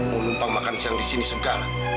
mau lumpang makan siang di sini segala